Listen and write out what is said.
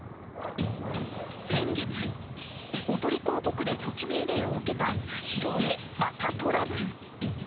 先月、おとり広告で措置命令を受けたスシローで、またトラブル。